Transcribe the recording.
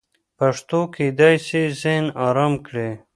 پښتو کېدای سي ذهن ارام کړي.